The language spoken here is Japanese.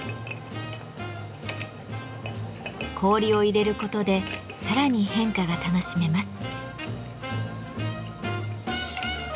氷を入れることでさらに変化が楽しめます。